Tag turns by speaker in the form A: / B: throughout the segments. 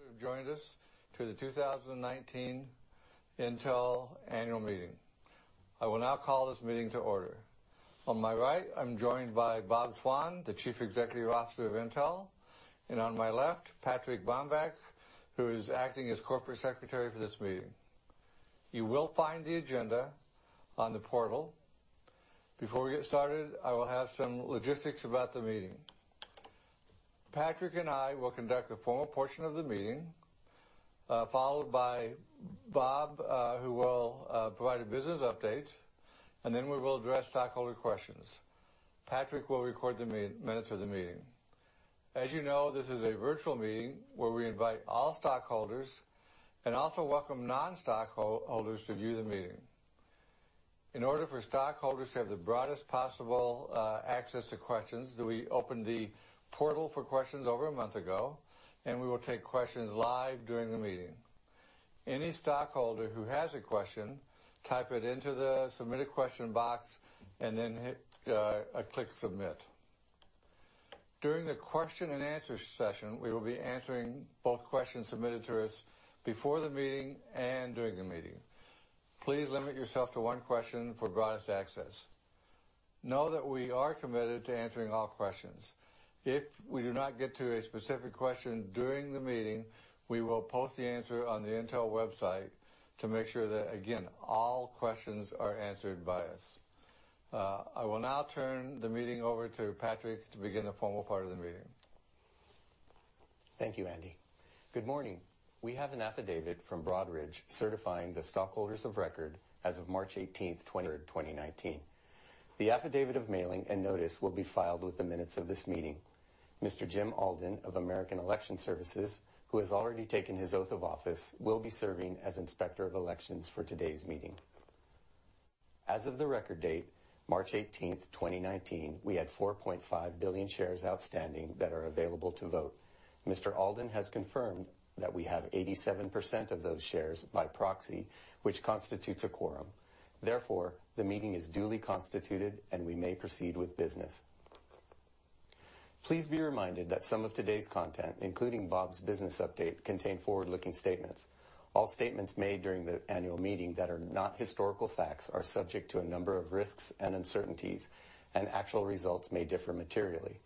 A: Who have joined us to the 2019 Intel annual meeting. I will now call this meeting to order. On my right, I'm joined by Bob Swan, the Chief Executive Officer of Intel, and on my left, Patrick Bombach, who is acting as Corporate Secretary for this meeting. You will find the agenda on the portal. Before we get started, I will have some logistics about the meeting. Patrick and I will conduct the formal portion of the meeting, followed by Bob, who will provide a business update, then we will address stakeholder questions. Patrick will record the minutes of the meeting. As you know, this is a virtual meeting where we invite all stockholders, also welcome non-stockholders to view the meeting. In order for stockholders to have the broadest possible access to questions, we opened the portal for questions over a month ago, we will take questions live during the meeting. Any stockholder who has a question, type it into the submit a question box, then hit Click to Submit. During the question and answer session, we will be answering both questions submitted to us before the meeting and during the meeting. Please limit yourself to one question for broadest access. Know that we are committed to answering all questions. If we do not get to a specific question during the meeting, we will post the answer on the Intel website to make sure that, again, all questions are answered by us. I will now turn the meeting over to Patrick to begin the formal part of the meeting.
B: Thank you, Andy. Good morning. We have an affidavit from Broadridge certifying the stockholders of record as of March 18th, 2019. The affidavit of mailing and notice will be filed with the minutes of this meeting. Mr. Jim Alden of American Election Services, who has already taken his oath of office, will be serving as Inspector of Elections for today's meeting. As of the record date, March 18th, 2019, we had 4.5 billion shares outstanding that are available to vote. Mr. Alden has confirmed that we have 87% of those shares by proxy, which constitutes a quorum. Therefore, the meeting is duly constituted and we may proceed with business. Please be reminded that some of today's content, including Bob's business update, contain forward-looking statements. All statements made during the annual meeting that are not historical facts are subject to a number of risks and uncertainties, actual results may differ materially.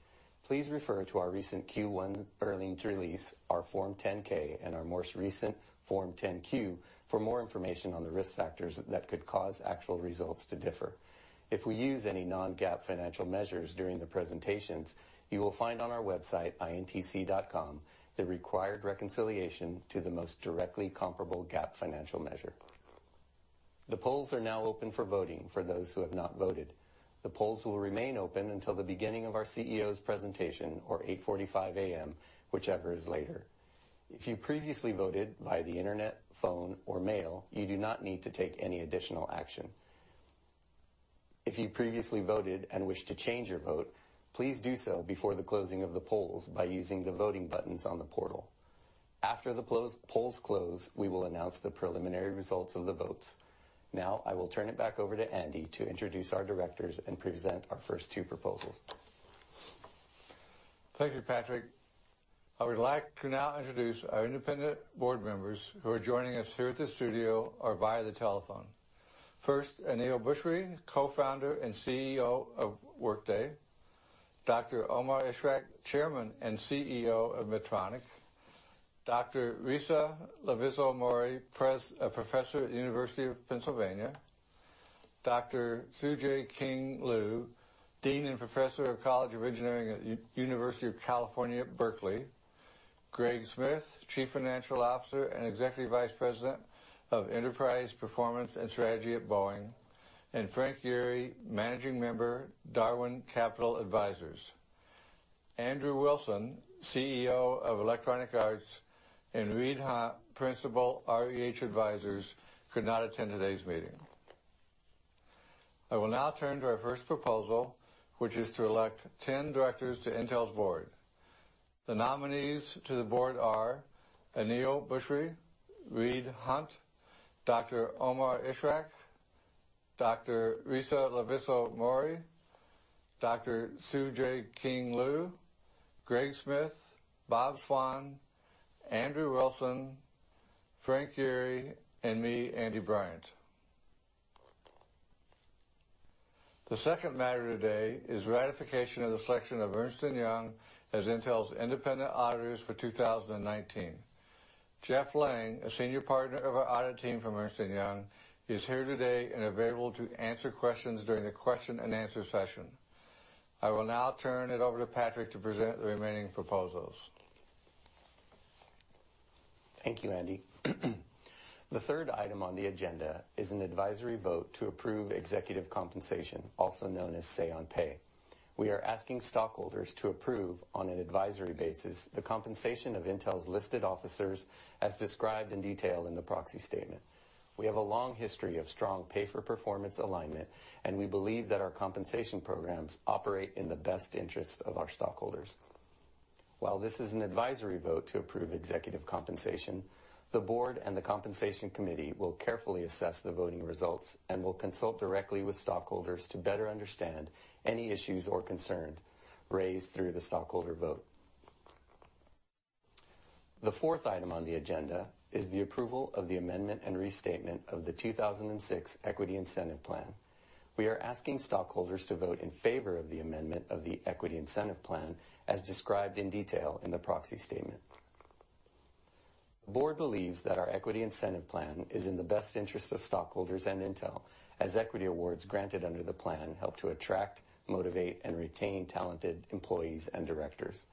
B: Please refer to our recent Q1 earnings release, our Form 10-K, our most recent Form 10-Q for more information on the risk factors that could cause actual results to differ. If we use any non-GAAP financial measures during the presentations, you will find on our website, intc.com, the required reconciliation to the most directly comparable GAAP financial measure. The polls are now open for voting for those who have not voted. The polls will remain open until the beginning of our CEO's presentation or 8:45 A.M., whichever is later. If you previously voted by the internet, phone, or mail, you do not need to take any additional action. If you previously voted and wish to change your vote, please do so before the closing of the polls by using the voting buttons on the portal. After the polls close, we will announce the preliminary results of the votes. I will turn it back over to Andy to introduce our directors and present our first two proposals.
A: Thank you, Patrick. I would like to now introduce our independent board members who are joining us here at the studio or via the telephone. First, Aneel Bhusri, co-founder and CEO of Workday. Dr. Omar Ishrak, Chairman and CEO of Medtronic. Dr. Risa Lavizzo-Mourey, a professor at University of Pennsylvania. Dr. Tsu-Jae King Liu, Dean and Professor of College of Engineering at University of California, Berkeley. Greg Smith, Chief Financial Officer and Executive Vice President of Enterprise Performance and Strategy at Boeing, and Frank Yeary, Managing Member, Darwin Capital Advisors. Andrew Wilson, CEO of Electronic Arts, and Reed Hundt, Principal, REH Advisors, could not attend today's meeting. I will now turn to our first proposal, which is to elect 10 directors to Intel's board. The nominees to the board are Aneel Bhusri, Reed Hundt, Dr. Omar Ishrak, Dr. Risa Lavizzo-Mourey, Dr. Tsu-Jae King Liu, Greg Smith, Bob Swan, Andrew Wilson, Frank Yeary, and me, Andy Bryant. The second matter today is ratification of the selection of Ernst & Young as Intel's independent auditors for 2019. Jeff Lang, a senior partner of our audit team from Ernst & Young, is here today and available to answer questions during the question and answer session. I will now turn it over to Patrick to present the remaining proposals.
B: Thank you, Andy. The third item on the agenda is an advisory vote to approve executive compensation, also known as Say on Pay. We are asking stockholders to approve on an advisory basis the compensation of Intel's listed officers as described in detail in the proxy statement. We believe that our compensation programs operate in the best interest of our stockholders. While this is an advisory vote to approve executive compensation, the board and the compensation committee will carefully assess the voting results and will consult directly with stockholders to better understand any issues or concerns raised through the stockholder vote. The fourth item on the agenda is the approval of the amendment and restatement of the 2006 Equity Incentive Plan. We are asking stockholders to vote in favor of the amendment of the equity incentive plan as described in detail in the proxy statement. The board believes that our equity incentive plan is in the best interest of stockholders and Intel, as equity awards granted under the plan help to attract, motivate, and retain talented employees and directors.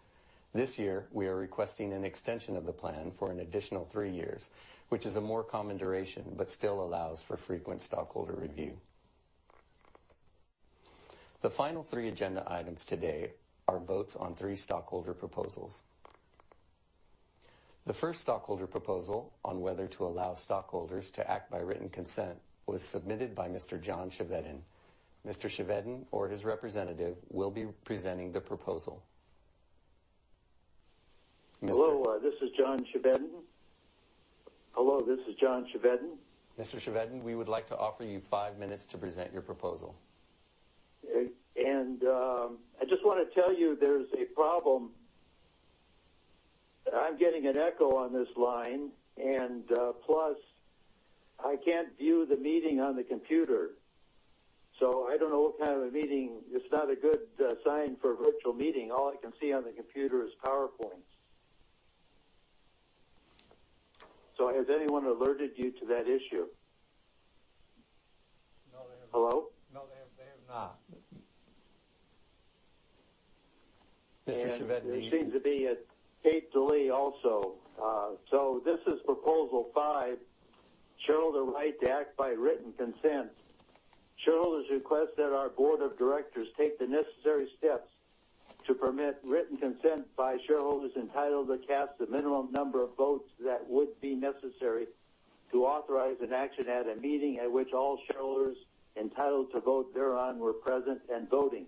B: This year, we are requesting an extension of the plan for an additional three years, which is a more common duration but still allows for frequent stockholder review. The final three agenda items today are votes on three stockholder proposals. The first stockholder proposal on whether to allow stockholders to act by written consent was submitted by Mr. John Chevedden. Mr. Chevedden or his representative will be presenting the proposal.
C: Hello, this is John Chevedden.
B: Mr. Chevedden, we would like to offer you five minutes to present your proposal.
C: I just want to tell you there's a problem. I'm getting an echo on this line, and plus, I can't view the meeting on the computer. I don't know what kind of a meeting. It's not a good sign for a virtual meeting. All I can see on the computer is PowerPoints. Has anyone alerted you to that issue?
A: No, they have not.
C: Hello?
A: No, they have not.
B: Mr. Chevedden.
C: There seems to be a date delay also. This is proposal five, shareholder right to act by written consent. Shareholders request that our board of directors take the necessary steps to permit written consent by shareholders entitled to cast the minimum number of votes that would be necessary to authorize an action at a meeting at which all shareholders entitled to vote thereon were present and voting.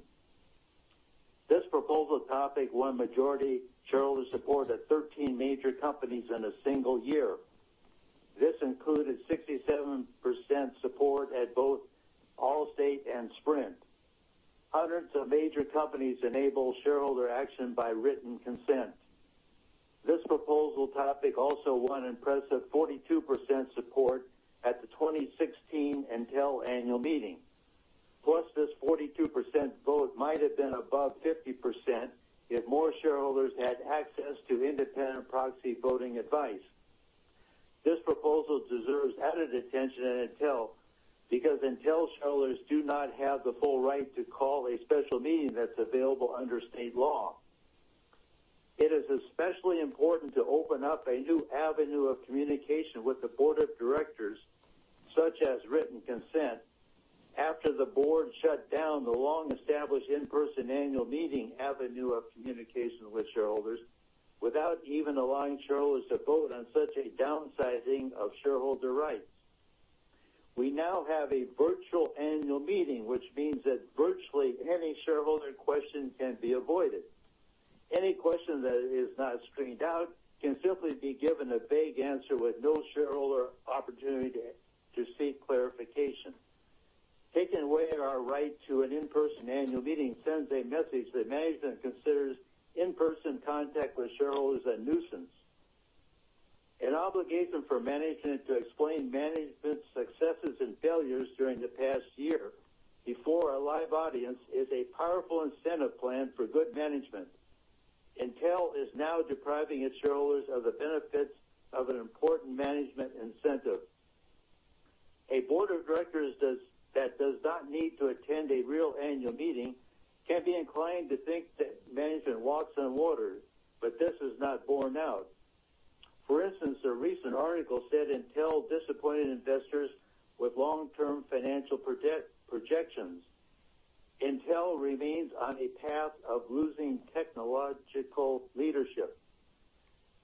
C: This proposal topic won majority shareholder support at 13 major companies in a single year. This included 67% support at both Allstate and Sprint. Hundreds of major companies enable shareholder action by written consent. This proposal topic also won impressive 42% support at the 2016 Intel annual meeting. This 42% vote might have been above 50% if more shareholders had access to independent proxy voting advice. This proposal deserves added attention at Intel, because Intel shareholders do not have the full right to call a special meeting that's available under state law. It is especially important to open up a new avenue of communication with the board of directors, such as written consent, after the board shut down the long-established in-person annual meeting avenue of communication with shareholders, without even allowing shareholders to vote on such a downsizing of shareholder rights. We now have a virtual annual meeting, which means that virtually any shareholder question can be avoided. Any question that is not screened out can simply be given a vague answer with no shareholder opportunity to seek clarification. Taking away our right to an in-person annual meeting sends a message that management considers in-person contact with shareholders a nuisance. An obligation for management to explain management's successes and failures during the past year before a live audience is a powerful incentive plan for good management. Intel is now depriving its shareholders of the benefits of an important management incentive. A board of directors that does not need to attend a real annual meeting can be inclined to think that management walks on water, but this is not borne out. For instance, a recent article said Intel disappointed investors with long-term financial projections. Intel remains on a path of losing technological leadership.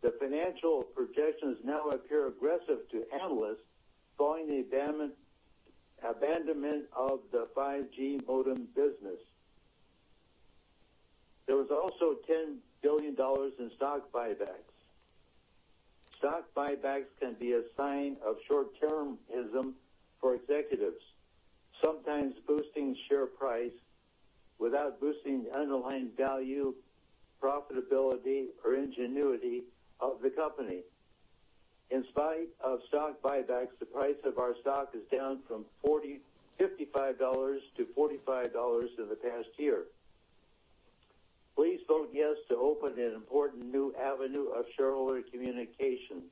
C: The financial projections now appear aggressive to analysts following the abandonment of the 5G modem business. There was also $10 billion in stock buybacks. Stock buybacks can be a sign of short-termism for executives, sometimes boosting share price without boosting the underlying value, profitability, or ingenuity of the company. In spite of stock buybacks, the price of our stock is down from $55 to $45 in the past year. Please vote yes to open an important new avenue of shareholder communication.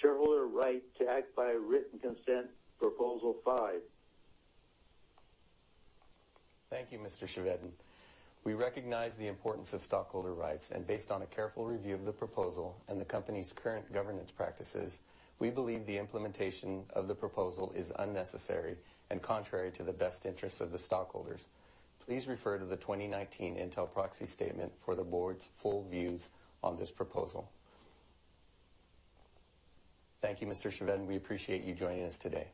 C: Shareholder right to act by written consent, proposal 5.
B: Thank you, Mr. Chevedden. We recognize the importance of stockholder rights, and based on a careful review of the proposal and the company's current governance practices, we believe the implementation of the proposal is unnecessary and contrary to the best interests of the stockholders. Please refer to the 2019 Intel proxy statement for the board's full views on this proposal. Thank you, Mr. Chevedden. We appreciate you joining us today.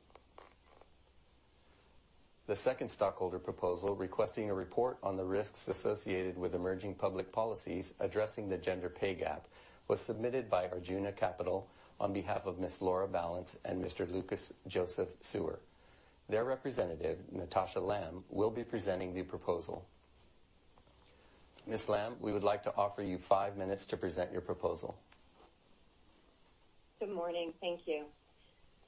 B: The second stockholder proposal, requesting a report on the risks associated with emerging public policies addressing the gender pay gap, was submitted by Arjuna Capital on behalf of Ms. Laura Ballance and Mr. Lucas Joseph Sewer. Their representative, Natasha Lamb, will be presenting the proposal. Ms. Lamb, we would like to offer you five minutes to present your proposal.
D: Good morning. Thank you.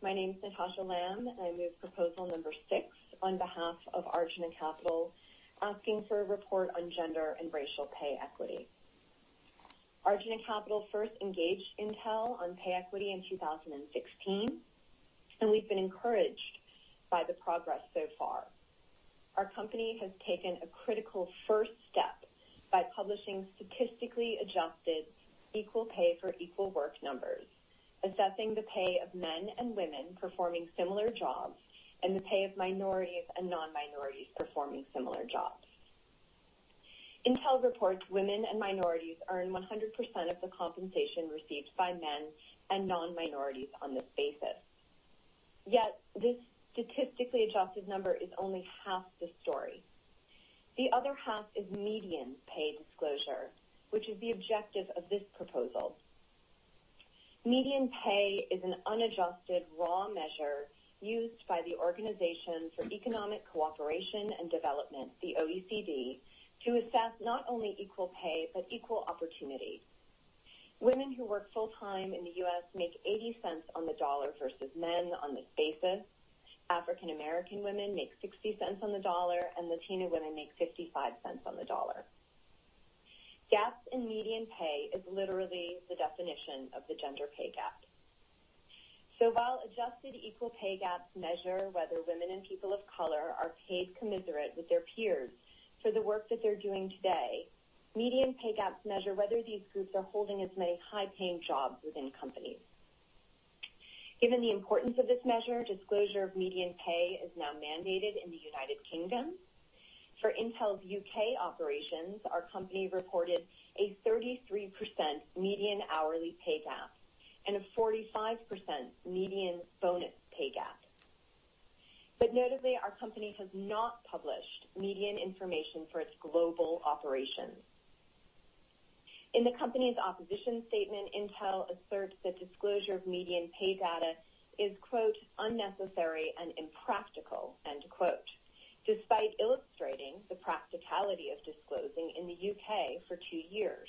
D: My name is Natasha Lamb, and I move proposal number six on behalf of Arjuna Capital, asking for a report on gender and racial pay equity. Arjuna Capital first engaged Intel on pay equity in 2016. We've been encouraged by the progress so far. Our company has taken a critical first step by publishing statistically adjusted equal pay for equal work numbers, assessing the pay of men and women performing similar jobs, and the pay of minorities and non-minorities performing similar jobs. Intel reports women and minorities earn 100% of the compensation received by men and non-minorities on this basis. This statistically adjusted number is only half the story. The other half is median pay disclosure, which is the objective of this proposal. Median pay is an unadjusted raw measure used by the Organisation for Economic Co-operation and Development, the OECD, to assess not only equal pay, but equal opportunity. Women who work full-time in the U.S. make $0.80 on the dollar versus men on this basis, African American women make $0.60 on the dollar, Latina women make $0.55 on the dollar. Gaps in median pay is literally the definition of the gender pay gap. While adjusted equal pay gaps measure whether women and people of color are paid commensurate with their peers for the work that they're doing today, median pay gaps measure whether these groups are holding as many high-paying jobs within companies. Given the importance of this measure, disclosure of median pay is now mandated in the U.K. For Intel's U.K. operations, our company reported a 33% median hourly pay gap and a 45% median bonus pay gap. Notably, our company has not published median information for its global operations. In the company's opposition statement, Intel asserts that disclosure of median pay data is "unnecessary and impractical," despite illustrating the practicality of disclosing in the U.K. for two years.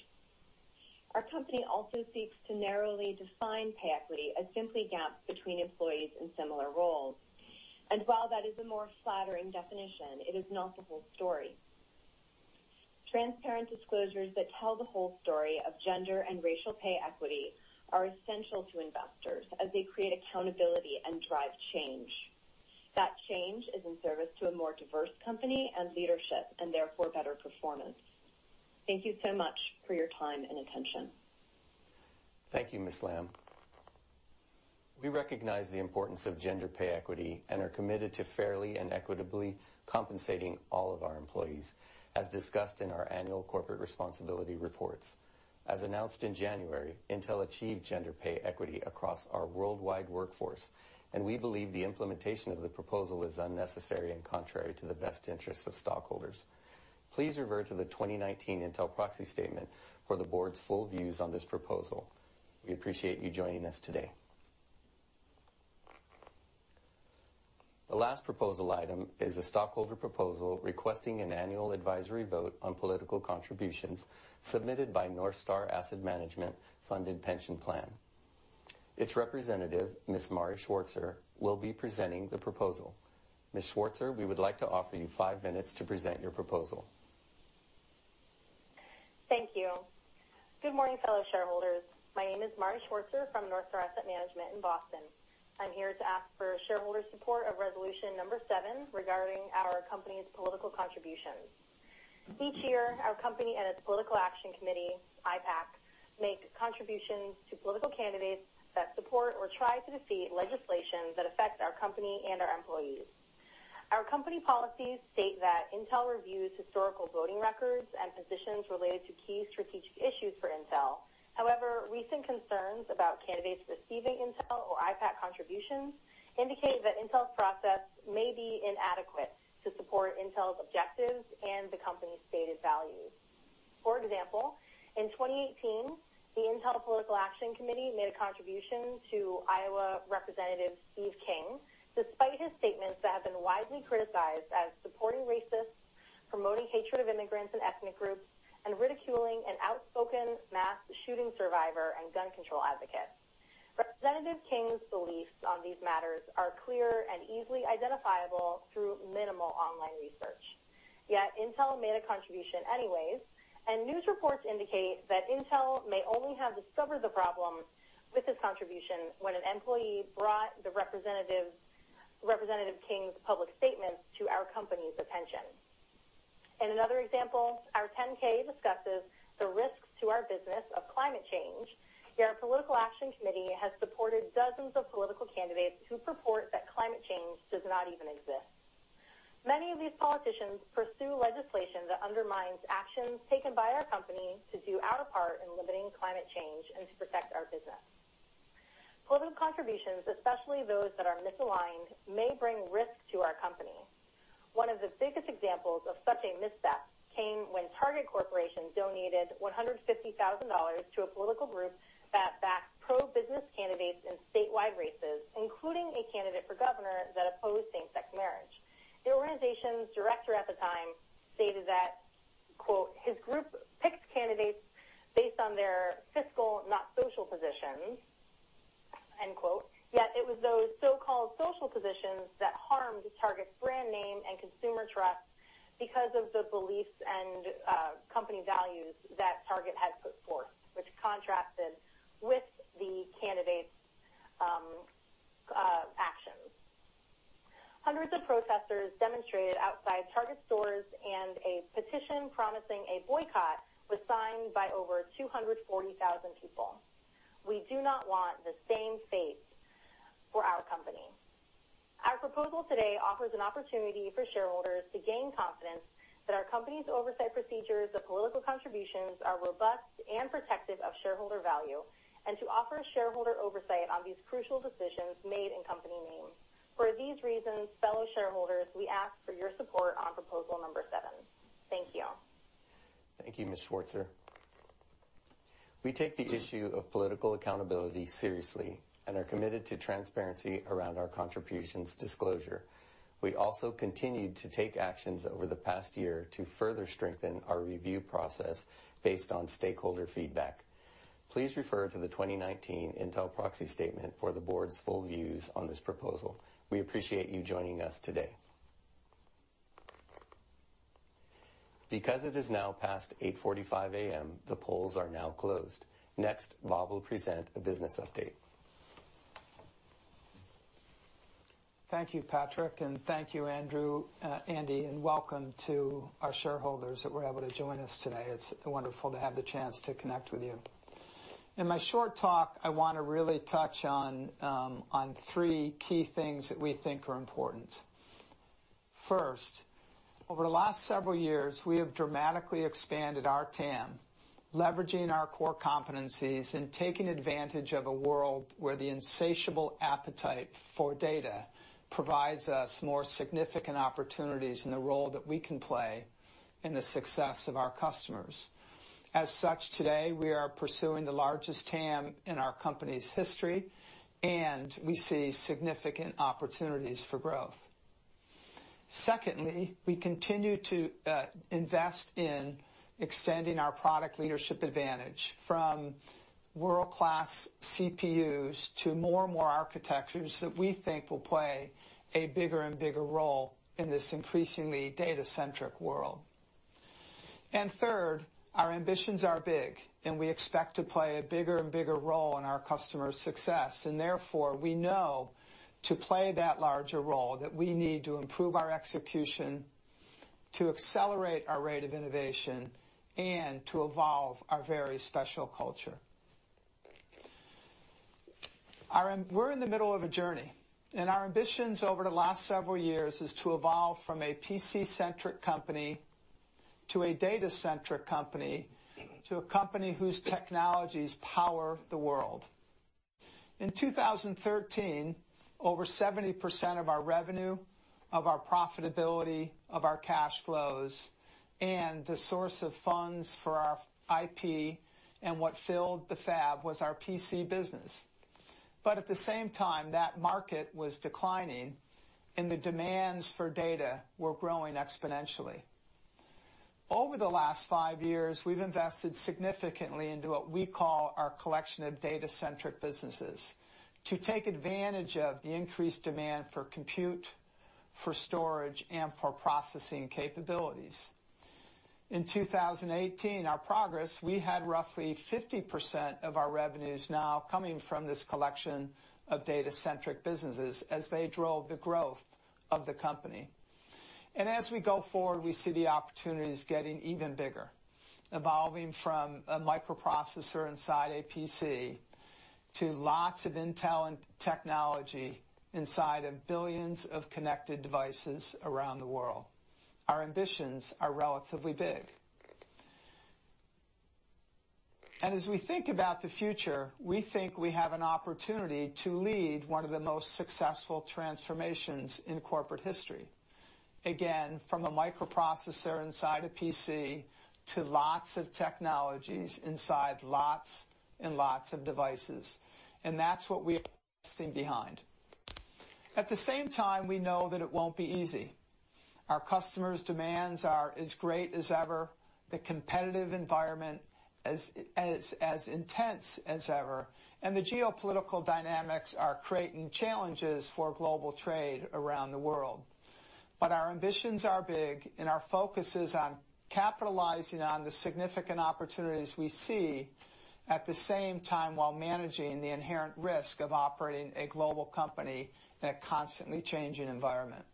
D: Our company also seeks to narrowly define pay equity as simply gaps between employees in similar roles. While that is a more flattering definition, it is not the whole story. Transparent disclosures that tell the whole story of gender and racial pay equity are essential to investors as they create accountability and drive change. That change is in service to a more diverse company and leadership, therefore better performance. Thank you so much for your time and attention.
B: Thank you, Ms. Lamb. We recognize the importance of gender pay equity and are committed to fairly and equitably compensating all of our employees, as discussed in our annual corporate responsibility reports. As announced in January, Intel achieved gender pay equity across our worldwide workforce. We believe the implementation of the proposal is unnecessary and contrary to the best interests of stockholders. Please refer to the 2019 Intel proxy statement for the board's full views on this proposal. We appreciate you joining us today. The last proposal item is a stockholder proposal requesting an annual advisory vote on political contributions submitted by NorthStar Asset Management Funded Pension Plan. Its representative, Ms. Mari Schwartzer, will be presenting the proposal. Ms. Schwartzer, we would like to offer you five minutes to present your proposal.
E: Thank you. Good morning, fellow shareholders. My name is Mari Schwartzer from NorthStar Asset Management in Boston. I am here to ask for shareholder support of resolution number seven regarding our company’s political contributions. Each year, our company and its Political Action Committee, IPAC, make contributions to political candidates that support or try to defeat legislation that affect our company and our employees. Our company policies state that Intel reviews historical voting records and positions related to key strategic issues for Intel. However, recent concerns about candidates receiving Intel or IPAC contributions indicate that Intel’s process may be inadequate to support Intel’s objectives and the company’s stated values. For example, in 2018, the Intel Political Action Committee made a contribution to Iowa Representative Steve King, despite his statements that have been widely criticized as supporting racists, promoting hatred of immigrants and ethnic groups, and ridiculing an outspoken mass shooting survivor and gun control advocate. Representative King’s beliefs on these matters are clear and easily identifiable through minimal online research. Yet Intel made a contribution anyway, and news reports indicate that Intel may only have discovered the problem with this contribution when an employee brought Representative King’s public statements to our company’s attention. In another example, our 10-K discusses the risks to our business of climate change, yet our Political Action Committee has supported dozens of political candidates who purport that climate change does not even exist. Many of these politicians pursue legislation that undermines actions taken by our company to do our part in limiting climate change and to protect our business. Political contributions, especially those that are misaligned, may bring risks to our company. One of the biggest examples of such a misstep came when Target Corporation donated $150,000 to a political group that backed pro-business candidates in statewide races, including a candidate for governor that opposed same-sex marriage. The organization’s director at the time stated that "His group picked candidates based on their fiscal, not social, positions." Yet it was those so-called social positions that harmed Target’s brand name and consumer trust because of the beliefs and company values that Target had put forth, which contrasted with the candidates’ actions. Hundreds of protesters demonstrated outside Target stores, and a petition promising a boycott was signed by over 240,000 people. We do not want the same fate for our company. Our proposal today offers an opportunity for shareholders to gain confidence that our company’s oversight procedures of political contributions are robust and protective of shareholder value, and to offer shareholder oversight on these crucial decisions made in company name. For these reasons, fellow shareholders, we ask for your support on proposal number seven. Thank you.
B: Thank you, Ms. Schwartzer. We take the issue of political accountability seriously and are committed to transparency around our contributions disclosure. We also continued to take actions over the past year to further strengthen our review process based on stakeholder feedback. Please refer to the 2019 Intel proxy statement for the board's full views on this proposal. We appreciate you joining us today. Because it is now past 8:45 A.M., the polls are now closed. Next, Bob will present a business update.
F: Thank you, Patrick, and thank you, Andy, and welcome to our shareholders that were able to join us today. It's wonderful to have the chance to connect with you. In my short talk, I want to really touch on three key things that we think are important. First, over the last several years, we have dramatically expanded our TAM, leveraging our core competencies and taking advantage of a world where the insatiable appetite for data provides us more significant opportunities in the role that we can play in the success of our customers. As such, today, we are pursuing the largest TAM in our company's history, and we see significant opportunities for growth. Secondly, we continue to invest in extending our product leadership advantage from world-class CPUs to more and more architectures that we think will play a bigger and bigger role in this increasingly data-centric world. Third, our ambitions are big, and we expect to play a bigger and bigger role in our customers' success. Therefore, we know to play that larger role, that we need to improve our execution, to accelerate our rate of innovation, and to evolve our very special culture. We're in the middle of a journey, and our ambitions over the last several years is to evolve from a PC-centric company to a data-centric company, to a company whose technologies power the world. In 2013, over 70% of our revenue, of our profitability, of our cash flows, and the source of funds for our IP, and what filled the fab was our PC business. At the same time, that market was declining, and the demands for data were growing exponentially. Over the last five years, we've invested significantly into what we call our collection of data-centric businesses to take advantage of the increased demand for compute, for storage, and for processing capabilities. In 2018, our progress, we had roughly 50% of our revenues now coming from this collection of data-centric businesses as they drove the growth of the company. As we go forward, we see the opportunities getting even bigger, evolving from a microprocessor inside a PC to lots of Intel and technology inside of billions of connected devices around the world. Our ambitions are relatively big. As we think about the future, we think we have an opportunity to lead one of the most successful transformations in corporate history. Again, from a microprocessor inside a PC to lots of technologies inside lots and lots of devices. That's what we behind. At the same time, we know that it won't be easy. Our customers' demands are as great as ever, the competitive environment as intense as ever, and the geopolitical dynamics are creating challenges for global trade around the world. Our ambitions are big, and our focus is on capitalizing on the significant opportunities we see, at the same time, while managing the inherent risk of operating a global company in a constantly changing environment.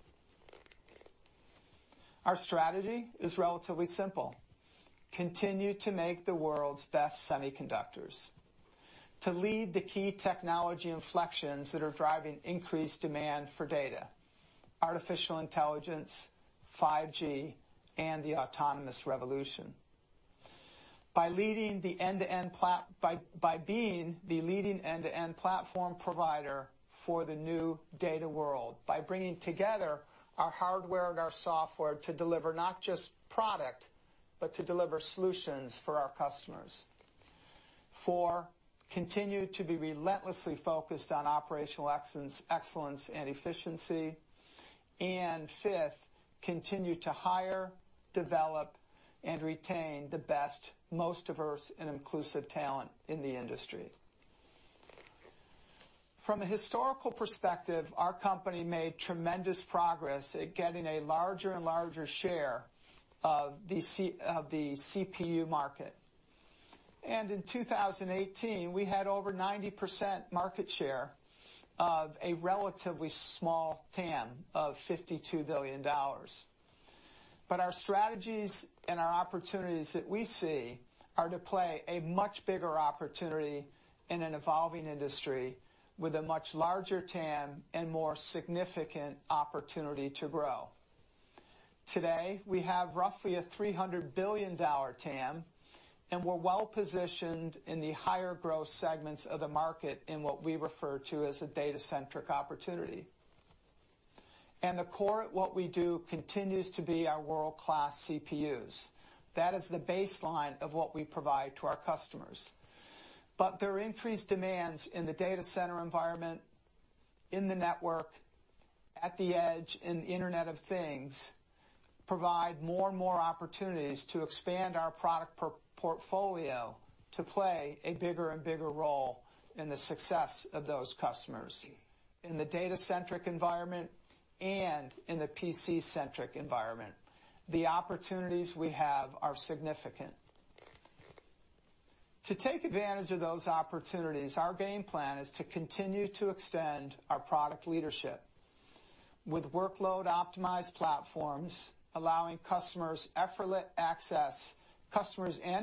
F: Our strategy is relatively simple. Continue to make the world's best semiconductors, to lead the key technology inflections that are driving increased demand for data, artificial intelligence, 5G, and the autonomous revolution. By being the leading end-to-end platform provider for the new data world, by bringing together our hardware and our software to deliver not just product, but to deliver solutions for our customers. Four, continue to be relentlessly focused on operational excellence and efficiency. Fifth, continue to hire, develop, and retain the best, most diverse, and inclusive talent in the industry. From a historical perspective, our company made tremendous progress at getting a larger and larger share of the CPU market. In 2018, we had over 90% market share of a relatively small TAM of $52 billion. Our strategies and our opportunities that we see are to play a much bigger opportunity in an evolving industry with a much larger TAM and more significant opportunity to grow. Today, we have roughly a $300 billion TAM, and we're well-positioned in the higher growth segments of the market in what we refer to as a data-centric opportunity. The core at what we do continues to be our world-class CPUs. That is the baseline of what we provide to our customers. There are increased demands in the data center environment, in the network, at the edge, in the Internet of Things, provide more and more opportunities to expand our product portfolio to play a bigger and bigger role in the success of those customers. In the data-centric environment and in the PC-centric environment, the opportunities we have are significant. To take advantage of those opportunities, our game plan is to continue to extend our product leadership with workload-optimized platforms, allowing customers and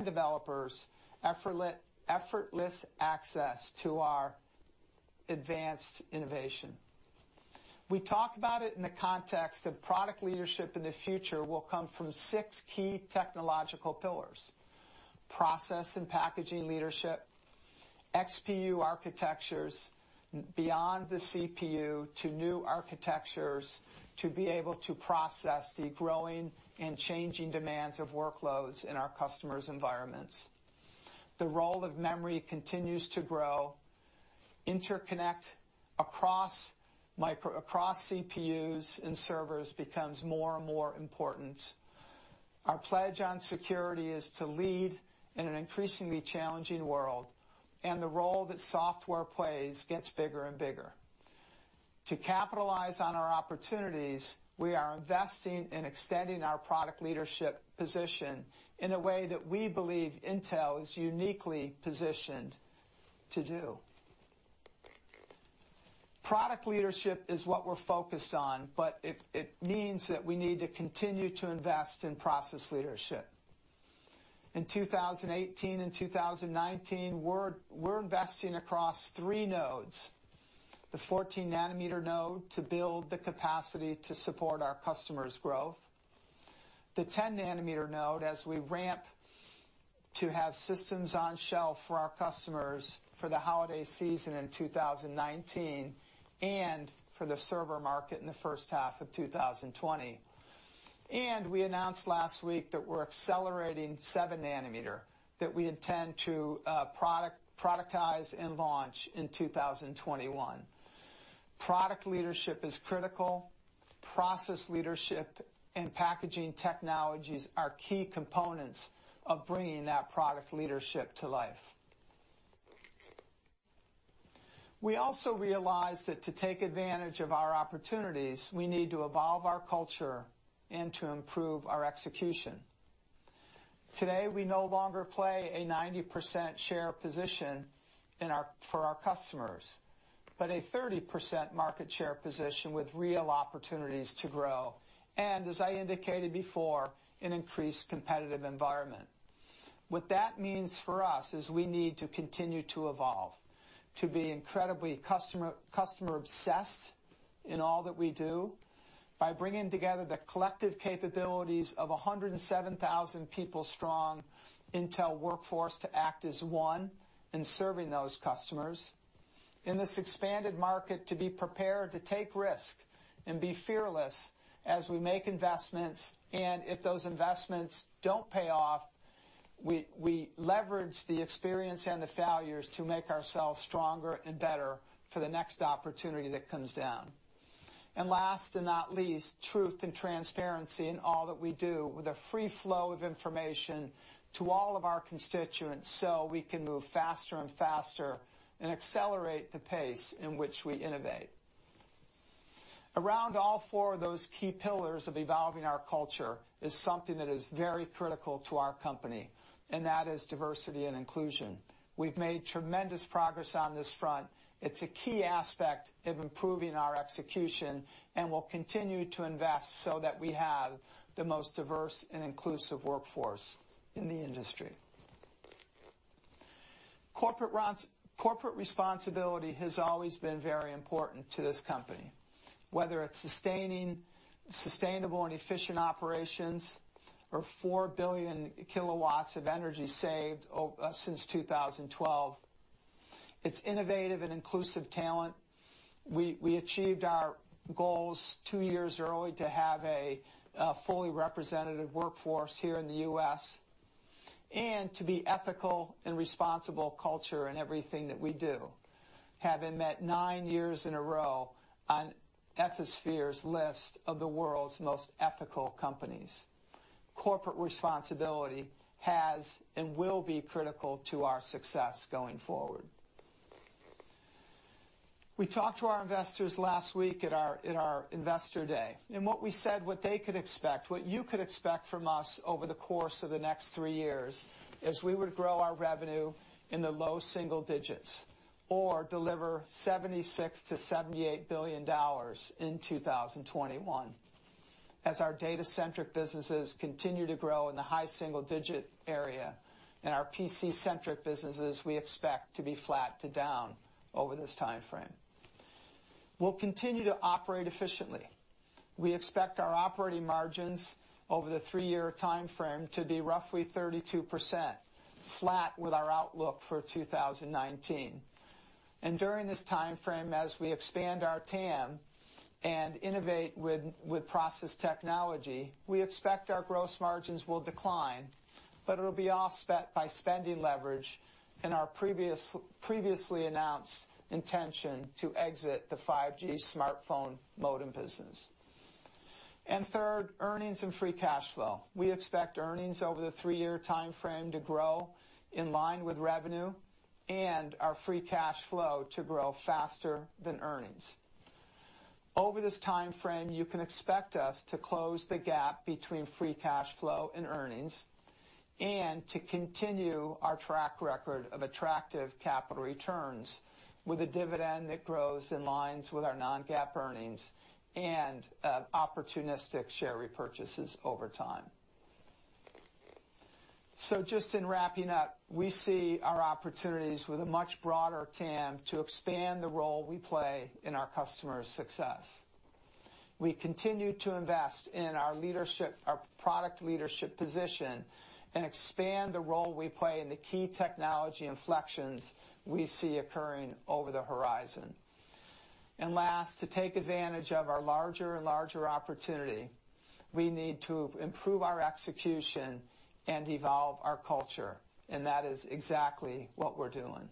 F: developers effortless access to our advanced innovation. We talk about it in the context of product leadership in the future will come from six key technological pillars, process and packaging leadership, XPU architectures beyond the CPU to new architectures to be able to process the growing and changing demands of workloads in our customers' environments. The role of memory continues to grow. Interconnect across CPUs and servers becomes more and more important. Our pledge on security is to lead in an increasingly challenging world, and the role that software plays gets bigger and bigger. To capitalize on our opportunities, we are investing in extending our product leadership position in a way that we believe Intel is uniquely positioned to do. Product leadership is what we're focused on, but it means that we need to continue to invest in process leadership. In 2018 and 2019, we're investing across three nodes, the 14 nm node to build the capacity to support our customers' growth, the 10 nm node as we ramp to have systems on shelf for our customers for the holiday season in 2019 and for the server market in the first half of 2020. We announced last week that we're accelerating 7 nm, that we intend to productize and launch in 2021. Product leadership is critical. Process leadership and packaging technologies are key components of bringing that product leadership to life. We also realize that to take advantage of our opportunities, we need to evolve our culture and to improve our execution. Today, we no longer play a 90% share position for our customers, but a 30% market share position with real opportunities to grow, and as I indicated before, an increased competitive environment. What that means for us is we need to continue to evolve, to be incredibly customer obsessed in all that we do by bringing together the collective capabilities of 107,000 people strong Intel workforce to act as one in serving those customers. In this expanded market, to be prepared to take risk and be fearless as we make investments. If those investments don't pay off, we leverage the experience and the failures to make ourselves stronger and better for the next opportunity that comes down. Last but not least, truth and transparency in all that we do with a free flow of information to all of our constituents so we can move faster and faster and accelerate the pace in which we innovate. Around all four of those key pillars of evolving our culture is something that is very critical to our company, and that is diversity and inclusion. We've made tremendous progress on this front. It's a key aspect of improving our execution, and we'll continue to invest so that we have the most diverse and inclusive workforce in the industry. Corporate responsibility has always been very important to this company, whether it's sustainable and efficient operations or 4 billion kilowatts of energy saved since 2012. It's innovative and inclusive talent. We achieved our goals two years early to have a fully representative workforce here in the U.S., and to be ethical and responsible culture in everything that we do, having met nine years in a row on Ethisphere's list of the world's most ethical companies. Corporate responsibility has and will be critical to our success going forward. We talked to our investors last week at our investor day, what we said what they could expect, what you could expect from us over the course of the next three years, is we would grow our revenue in the low single digits or deliver $76 billion-$78 billion in 2021. Our data-centric businesses continue to grow in the high single-digit area and our PC-centric businesses, we expect to be flat to down over this timeframe. We'll continue to operate efficiently. We expect our operating margins over the three-year timeframe to be roughly 32%, flat with our outlook for 2019. During this timeframe, as we expand our TAM and innovate with process technology, we expect our gross margins will decline, but it'll be offset by spending leverage in our previously announced intention to exit the 5G smartphone modem business. Third, earnings and free cash flow. We expect earnings over the three-year timeframe to grow in line with revenue and our free cash flow to grow faster than earnings. Over this timeframe, you can expect us to close the gap between free cash flow and earnings and to continue our track record of attractive capital returns with a dividend that grows in lines with our non-GAAP earnings and opportunistic share repurchases over time. Just in wrapping up, we see our opportunities with a much broader TAM to expand the role we play in our customers' success. We continue to invest in our product leadership position and expand the role we play in the key technology inflections we see occurring over the horizon. Last, to take advantage of our larger and larger opportunity, we need to improve our execution and evolve our culture, and that is exactly what we're doing.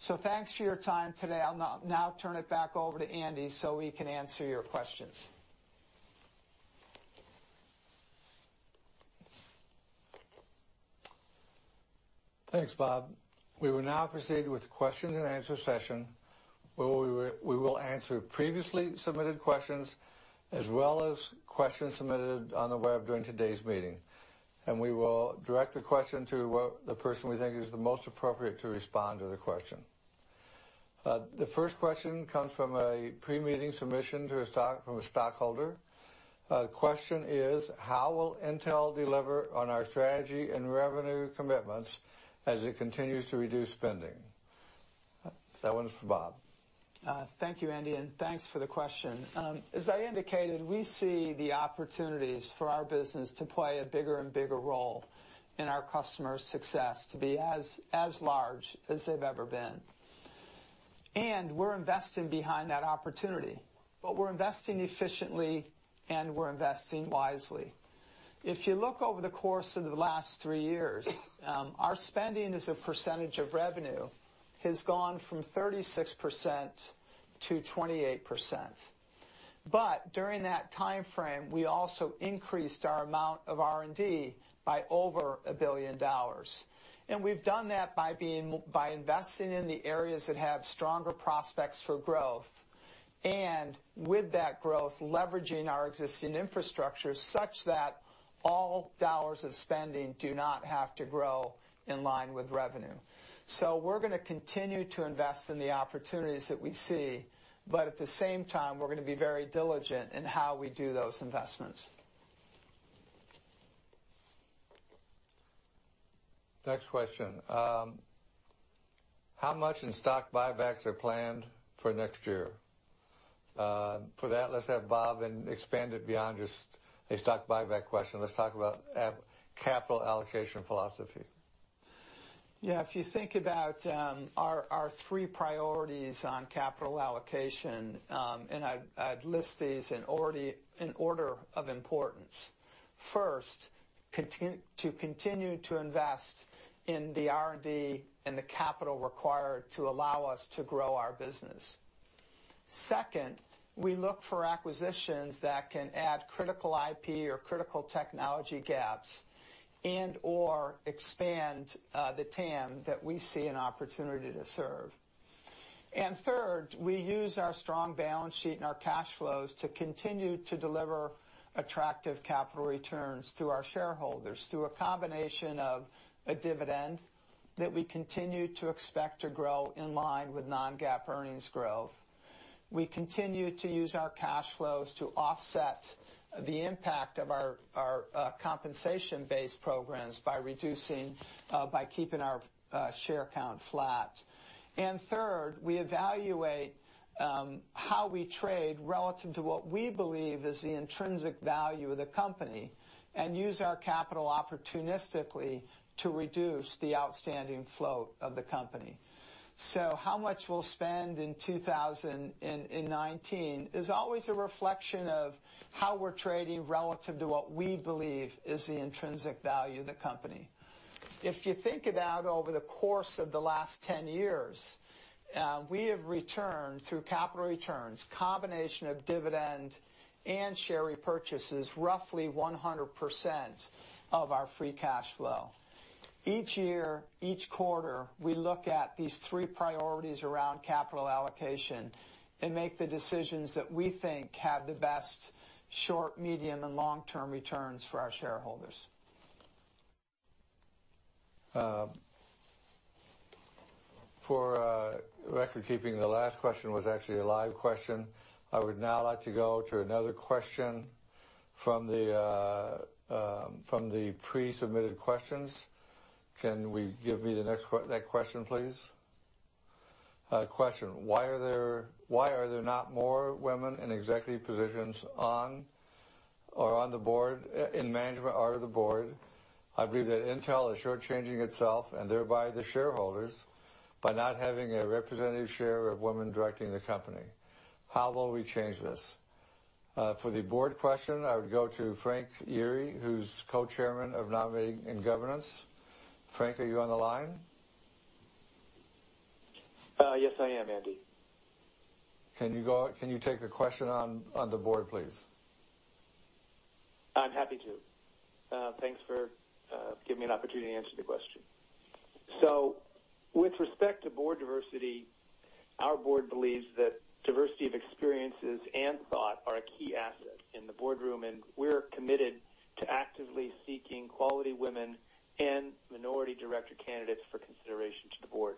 F: Thanks for your time today. I'll now turn it back over to Andy so we can answer your questions.
A: Thanks, Bob. We will now proceed with the question and answer session, where we will answer previously submitted questions as well as questions submitted on the web during today's meeting. We will direct the question to the person we think is the most appropriate to respond to the question. The first question comes from a pre-meeting submission from a stockholder. Question is: how will Intel deliver on our strategy and revenue commitments as it continues to reduce spending? That one's for Bob.
F: Thank you, Andy, and thanks for the question. As I indicated, we see the opportunities for our business to play a bigger and bigger role in our customers' success to be as large as they've ever been. We're investing behind that opportunity. We're investing efficiently and we're investing wisely. If you look over the course of the last three years, our spending as a percentage of revenue has gone from 36% to 28%. During that timeframe, we also increased our amount of R&D by over $1 billion. We've done that by investing in the areas that have stronger prospects for growth, and with that growth, leveraging our existing infrastructure such that all dollars of spending do not have to grow in line with revenue. We're going to continue to invest in the opportunities that we see, but at the same time, we're going to be very diligent in how we do those investments.
A: Next question. How much in stock buybacks are planned for next year? For that, let's have Bob expand it beyond just a stock buyback question. Let's talk about capital allocation philosophy.
F: Yeah. If you think about our three priorities on capital allocation, I'd list these in order of importance. First, to continue to invest in the R&D and the capital required to allow us to grow our business. Second, we look for acquisitions that can add critical IP or critical technology gaps and/or expand the TAM that we see an opportunity to serve. Third, we use our strong balance sheet and our cash flows to continue to deliver attractive capital returns to our shareholders through a combination of a dividend that we continue to expect to grow in line with non-GAAP earnings growth. We continue to use our cash flows to offset the impact of our compensation-based programs by keeping our share count flat. Third, we evaluate how we trade relative to what we believe is the intrinsic value of the company, and use our capital opportunistically to reduce the outstanding float of the company. How much we'll spend in 2019 is always a reflection of how we're trading relative to what we believe is the intrinsic value of the company. If you think about over the course of the last 10 years, we have returned through capital returns, combination of dividend and share repurchases, roughly 100% of our free cash flow. Each year, each quarter, we look at these three priorities around capital allocation and make the decisions that we think have the best short, medium, and long-term returns for our shareholders.
A: For record-keeping, the last question was actually a live question. I would now like to go to another question from the pre-submitted questions. Can we give me that question, please? Question, why are there not more women in executive positions or on the board, in management or the board? I believe that Intel is short-changing itself and thereby the shareholders, by not having a representative share of women directing the company. How will we change this? For the board question, I would go to Frank Yeary, who's co-chairman of Nominating and Governance. Frank, are you on the line?
G: Yes, I am, Andy.
A: Can you take the question on the board, please?
G: I'm happy to. Thanks for giving me an opportunity to answer the question. With respect to board diversity, our board believes that diversity of experiences and thought are a key asset in the boardroom, and we're committed to actively seeking quality women and minority director candidates for consideration to the board.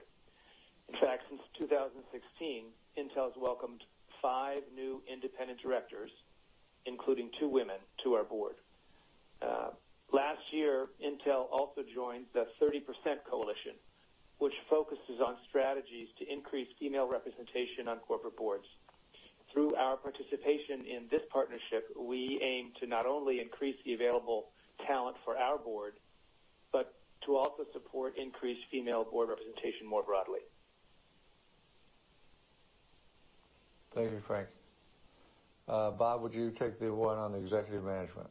G: In fact, since 2016, Intel's welcomed five new independent directors, including two women, to our board. Last year, Intel also joined the 30% Coalition, which focuses on strategies to increase female representation on corporate boards. Through our participation in this partnership, we aim to not only increase the available talent for our board, but to also support increased female board representation more broadly.
A: Thank you, Frank. Bob, would you take the one on the executive management?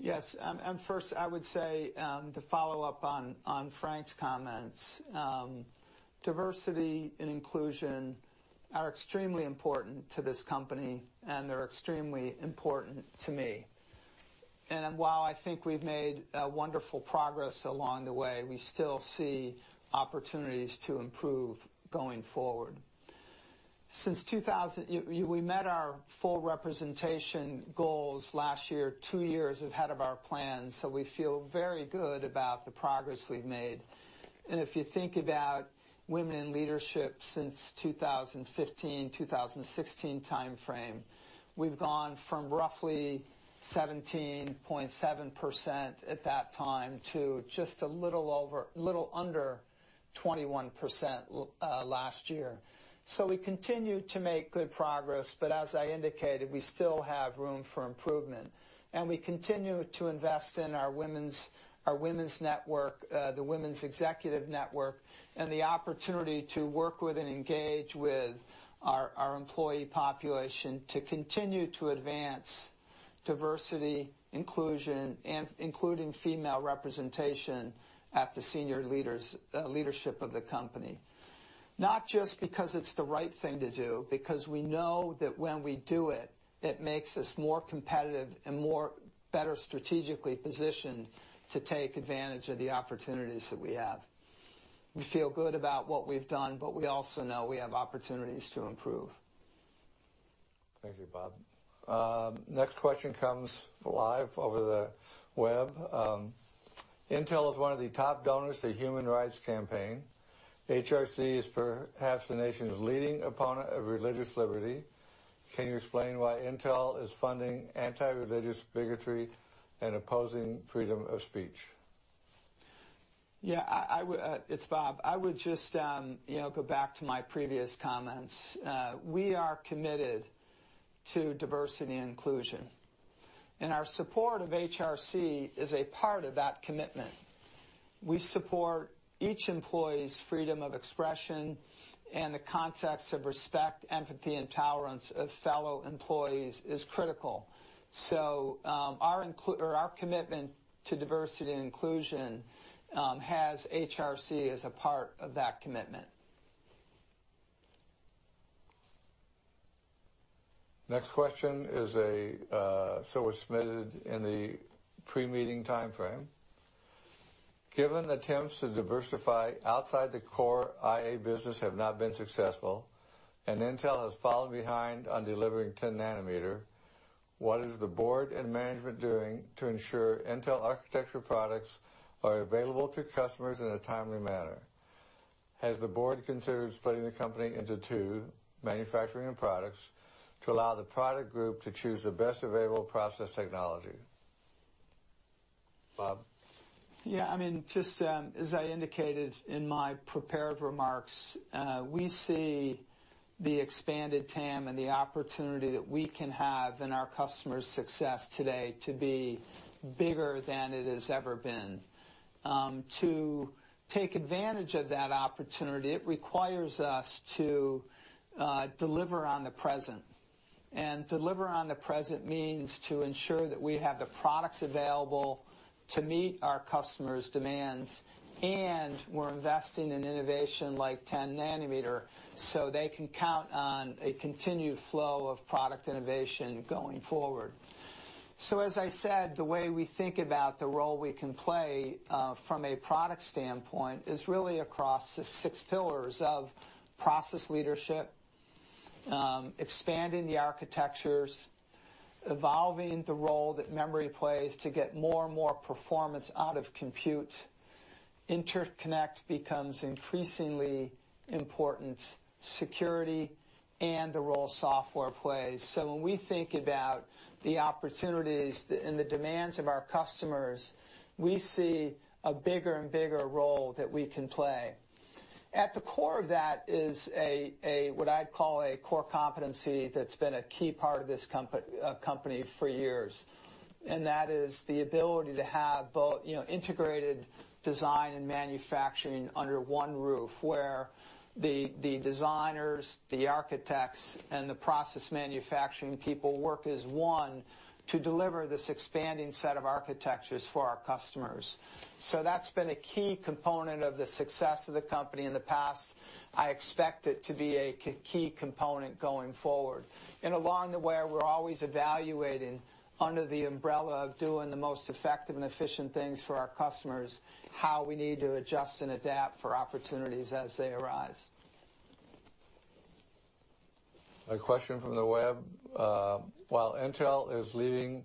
F: Yes. First, I would say, to follow up on Frank's comments, diversity and inclusion are extremely important to this company, and they're extremely important to me. While I think we've made wonderful progress along the way, we still see opportunities to improve going forward. We met our full representation goals last year, two years ahead of our plan, we feel very good about the progress we've made. If you think about women in leadership since 2015, 2016 timeframe, we've gone from roughly 17.7% at that time to just a little under 21% last year. We continue to make good progress, as I indicated, we still have room for improvement, we continue to invest in our women's network, the women's executive network, and the opportunity to work with and engage with our employee population to continue to advance diversity, inclusion, including female representation at the senior leadership of the company. Not just because it's the right thing to do, because we know that when we do it makes us more competitive and more better strategically positioned to take advantage of the opportunities that we have. We feel good about what we've done, we also know we have opportunities to improve.
A: Thank you, Bob. Next question comes live over the web. Intel is one of the top donors to Human Rights Campaign. HRC is perhaps the nation's leading opponent of religious liberty. Can you explain why Intel is funding anti-religious bigotry and opposing freedom of speech?
F: Yeah. It's Bob. I would just go back to my previous comments. We are committed to diversity and inclusion, our support of HRC is a part of that commitment. We support each employee's freedom of expression and the context of respect, empathy, and tolerance of fellow employees is critical. Our commitment to diversity and inclusion has HRC as a part of that commitment.
A: Next question was submitted in the pre-meeting timeframe. Given attempts to diversify outside the core IA business have not been successful, and Intel has fallen behind on delivering 10 nm, what is the board and management doing to ensure Intel architecture products are available to customers in a timely manner? Has the board considered splitting the company into two, manufacturing and products, to allow the product group to choose the best available process technology? Bob?
F: Yeah, just as I indicated in my prepared remarks, we see the expanded TAM and the opportunity that we can have in our customers' success today to be bigger than it has ever been. To take advantage of that opportunity, it requires us to deliver on the present, and deliver on the present means to ensure that we have the products available to meet our customers' demands, and we're investing in innovation like 10 nm so they can count on a continued flow of product innovation going forward. As I said, the way we think about the role we can play, from a product standpoint, is really across the six pillars of process leadership, expanding the architectures, evolving the role that memory plays to get more and more performance out of compute. Interconnect becomes increasingly important, security, and the role software plays. When we think about the opportunities and the demands of our customers, we see a bigger and bigger role that we can play. At the core of that is what I'd call a core competency that's been a key part of this company for years, and that is the ability to have both integrated design and manufacturing under one roof, where the designers, the architects, and the process manufacturing people work as one to deliver this expanding set of architectures for our customers. That's been a key component of the success of the company in the past. I expect it to be a key component going forward. Along the way, we're always evaluating under the umbrella of doing the most effective and efficient things for our customers, how we need to adjust and adapt for opportunities as they arise.
A: A question from the web. While Intel is leading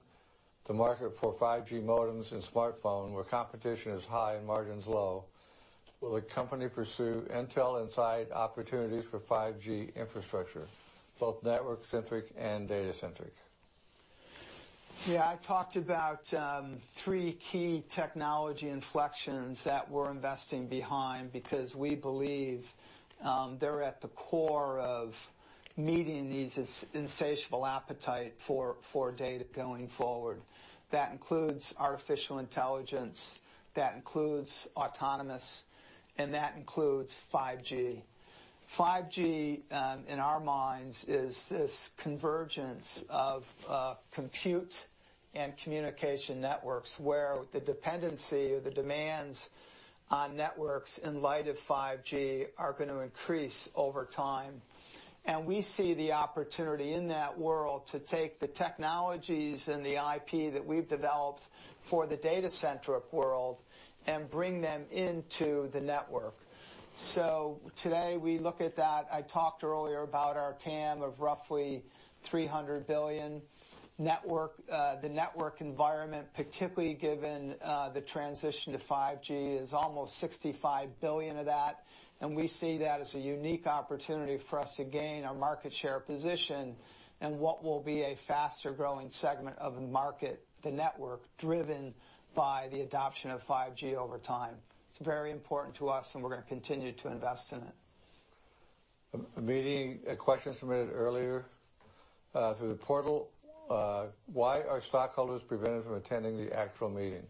A: the market for 5G modems in smartphone, where competition is high and margins low, will the company pursue Intel inside opportunities for 5G infrastructure, both network centric and data centric?
F: I talked about three key technology inflections that we're investing behind because we believe they're at the core of meeting these insatiable appetite for data going forward. That includes artificial intelligence, that includes autonomous, and that includes 5G. 5G, in our minds, is this convergence of compute and communication networks where the dependency or the demands on networks in light of 5G are going to increase over time. We see the opportunity in that world to take the technologies and the IP that we've developed for the data-centric world and bring them into the network. Today, we look at that. I talked earlier about our TAM of roughly $300 billion. The network environment, particularly given the transition to 5G, is almost $65 billion of that, and we see that as a unique opportunity for us to gain a market share position in what will be a faster-growing segment of the market, the network, driven by the adoption of 5G over time. It's very important to us, and we're going to continue to invest in it.
A: A question submitted earlier through the portal. Why are stockholders prevented from attending the actual meeting?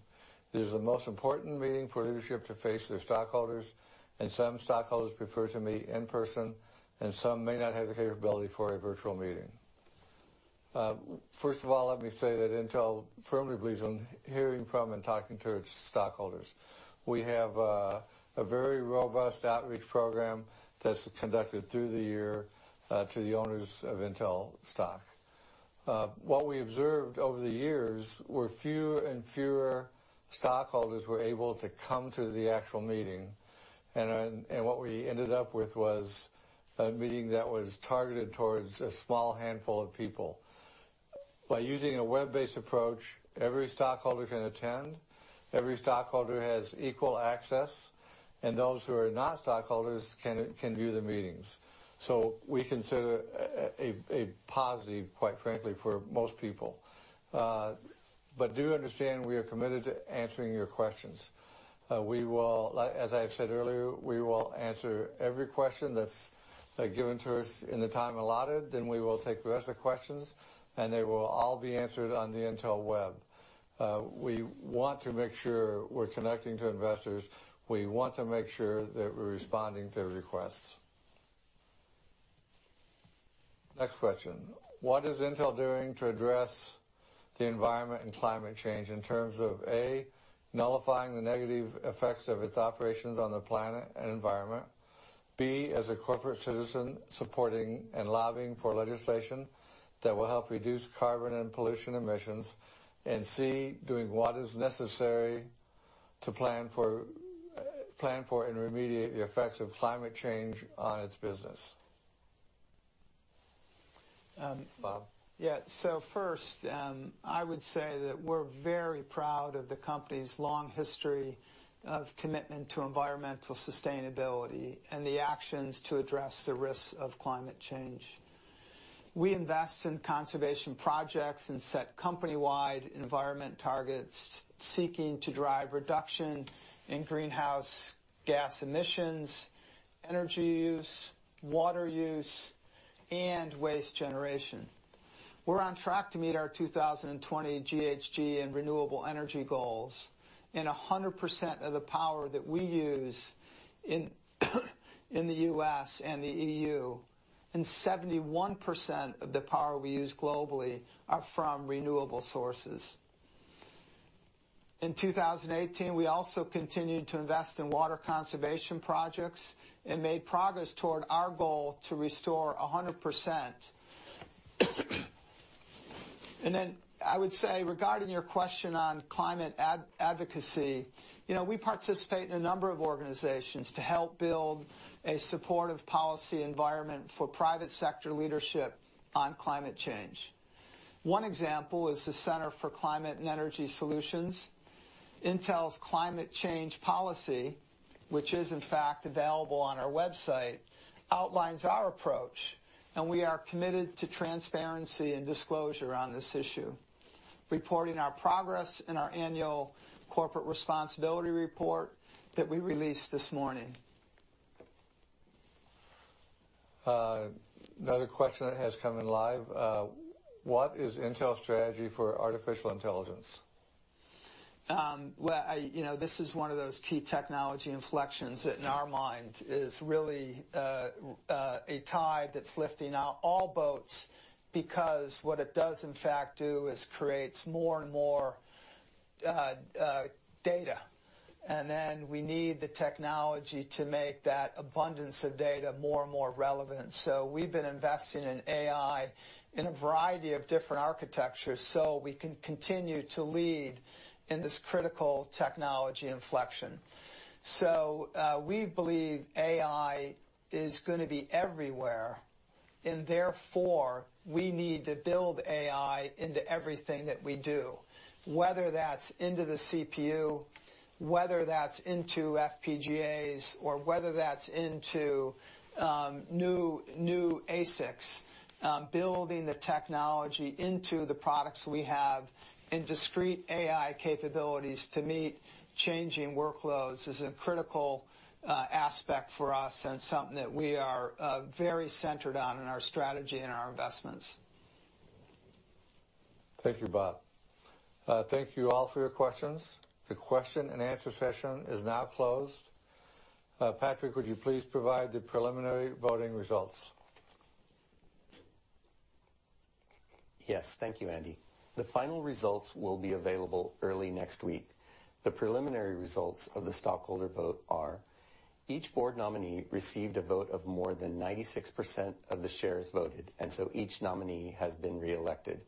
A: This is the most important meeting for leadership to face their stockholders, and some stockholders prefer to meet in person, and some may not have the capability for a virtual meeting. First of all, let me say that Intel firmly believes in hearing from and talking to its stockholders. We have a very robust outreach program that's conducted through the year, to the owners of Intel stock. What we observed over the years were fewer and fewer stockholders were able to come to the actual meeting, and what we ended up with was a meeting that was targeted towards a small handful of people. By using a web-based approach, every stockholder can attend, every stockholder has equal access, and those who are not stockholders can view the meetings. We consider it a positive, quite frankly, for most people. Do understand we are committed to answering your questions. As I said earlier, we will answer every question that's given to us in the time allotted. We will take the rest of the questions, and they will all be answered on the Intel web. We want to make sure we're connecting to investors. We want to make sure that we're responding to requests. Next question. What is Intel doing to address the environment and climate change in terms of, A, nullifying the negative effects of its operations on the planet and environment? B, as a corporate citizen supporting and lobbying for legislation that will help reduce carbon and pollution emissions, and C, doing what is necessary to plan for and remediate the effects of climate change on its business. Bob.
F: Yeah. First, I would say that we're very proud of the company's long history of commitment to environmental sustainability and the actions to address the risks of climate change. We invest in conservation projects and set company-wide environment targets seeking to drive reduction in greenhouse gas emissions, energy use, water use, and waste generation. We're on track to meet our 2020 GHG and renewable energy goals, and 100% of the power that we use in the U.S. and the EU, and 71% of the power we use globally are from renewable sources. In 2018, we also continued to invest in water conservation projects and made progress toward our goal to restore 100%. I would say regarding your question on climate advocacy, we participate in a number of organizations to help build a supportive policy environment for private sector leadership on climate change. One example is the Center for Climate and Energy Solutions. Intel's climate change policy, which is, in fact, available on our website, outlines our approach. We are committed to transparency and disclosure on this issue, reporting our progress in our annual corporate responsibility report that we released this morning.
A: Another question that has come in live, what is Intel's strategy for artificial intelligence?
F: Well, this is one of those key technology inflections that in our mind is really a tide that's lifting out all boats because what it does in fact do is creates more and more data. We need the technology to make that abundance of data more and more relevant. We've been investing in AI in a variety of different architectures so we can continue to lead in this critical technology inflection. We believe AI is going to be everywhere, and therefore we need to build AI into everything that we do, whether that's into the CPU, whether that's into FPGAs, or whether that's into new ASICs. Building the technology into the products we have in discrete AI capabilities to meet changing workloads is a critical aspect for us and something that we are very centered on in our strategy and our investments.
A: Thank you, Bob. Thank you all for your questions. The question and answer session is now closed. Patrick, would you please provide the preliminary voting results?
B: Yes. Thank you, Andy. The final results will be available early next week. The preliminary results of the stockholder vote are: each board nominee received a vote of more than 96% of the shares voted, each nominee has been reelected.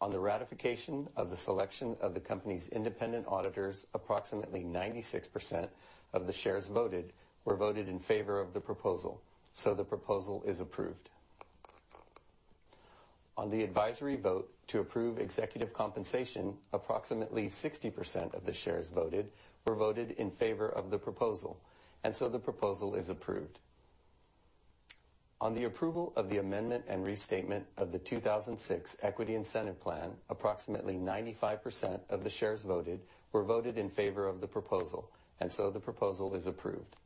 B: On the ratification of the selection of the company's independent auditors, approximately 96% of the shares voted were voted in favor of the proposal, the proposal is approved. On the advisory vote to approve executive compensation, approximately 60% of the shares voted were voted in favor of the proposal, the proposal is approved. On the approval of the amendment and restatement of the 2006 Equity Incentive Plan, approximately 95% of the shares voted were voted in favor of the proposal, the proposal is approved.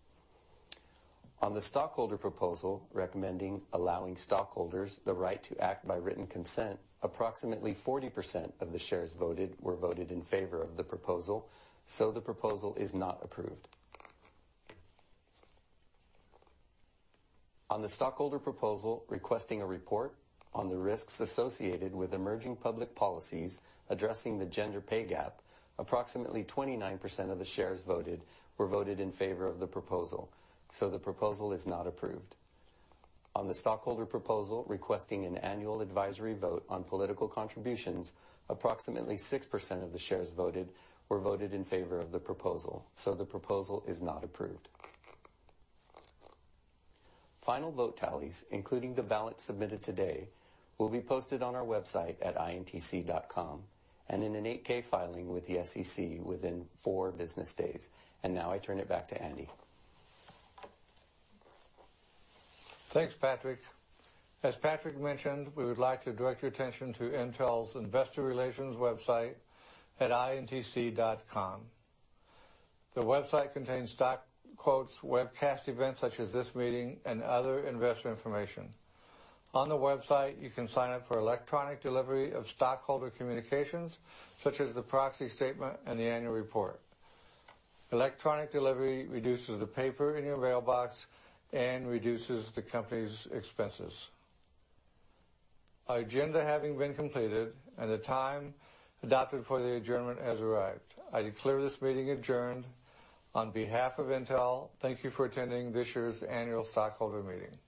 B: On the stockholder proposal recommending allowing stockholders the right to act by written consent, approximately 40% of the shares voted were voted in favor of the proposal, the proposal is not approved. On the stockholder proposal requesting a report on the risks associated with emerging public policies addressing the gender pay gap, approximately 29% of the shares voted were voted in favor of the proposal, the proposal is not approved. On the stockholder proposal requesting an annual advisory vote on political contributions, approximately 6% of the shares voted were voted in favor of the proposal, the proposal is not approved. Final vote tallies, including the ballot submitted today, will be posted on our website at intc.com and in an 8-K filing with the SEC within four business days. Now I turn it back to Andy.
A: Thanks, Patrick. As Patrick mentioned, we would like to direct your attention to Intel's investor relations website at intc.com. The website contains stock quotes, webcast events such as this meeting, and other investor information. On the website, you can sign up for electronic delivery of stockholder communications, such as the proxy statement and the annual report. Electronic delivery reduces the paper in your mailbox and reduces the company's expenses. Our agenda having been completed and the time adopted for the adjournment has arrived, I declare this meeting adjourned. On behalf of Intel, thank you for attending this year's annual stockholder meeting.